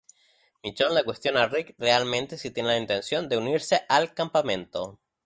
Michonne le cuestiona a Rick realmente si tiene la intención de unirse al campamento.